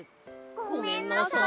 ごめんなさい！